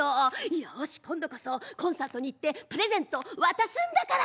よし今度こそコンサートに行ってプレゼント渡すんだから。